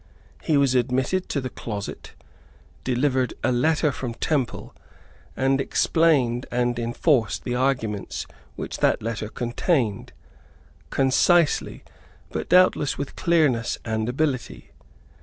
He was admitted into the closet, delivered a letter from Temple, and explained and enforced the arguments which that letter contained, concisely, but doubtless with clearness and ability.